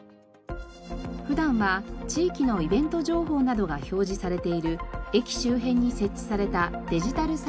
普段は地域のイベント情報などが表示されている駅周辺に設置されたデジタルサイネージ。